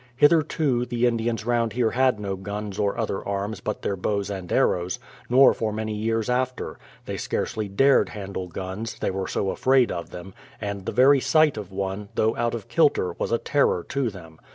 Hitherto the Indians round here had no guns or other arms but their bows and arrows, nor for many years after; they scarcely dared handle guns, they were so afraid of them; and the very sight of one, though out of kilter, was a terror to them.